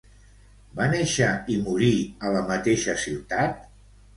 Va néixer i morir a la mateixa ciutat?